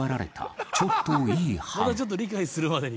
まだちょっと理解するまでに。